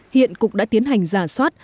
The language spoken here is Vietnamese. hiện cục đã tiến hành rà soát